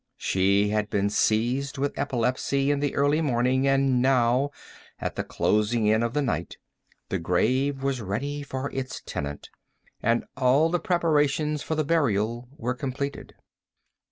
She had been seized with epilepsy in the early morning, and now, at the closing in of the night, the grave was ready for its tenant, and all the preparations for the burial were completed.